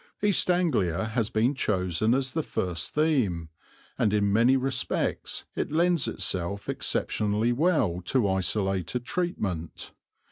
East Anglia has been chosen as the first theme, and in many respects it lends itself exceptionally well to isolated treatment.